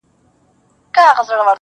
o خوارسومه انجام مي د زړه ور مـات كړ.